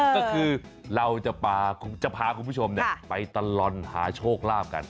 ก็คือเราจะพาคุณผู้ชมไปตลอดหาโชคลาภกัน